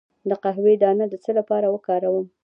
د قهوې دانه د څه لپاره وکاروم؟